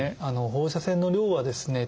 放射線の量はですね